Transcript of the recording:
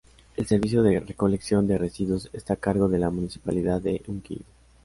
El servicio de recolección de residuos está a cargo de la Municipalidad de Unquillo.